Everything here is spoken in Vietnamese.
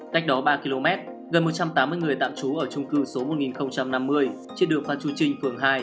cách đó ba km gần một trăm tám mươi người tạm trú ở trung cư số một nghìn năm mươi trên đường phan chu trinh phường hai